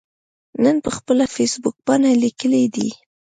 نن پر خپله فیسبوکپاڼه لیکلي دي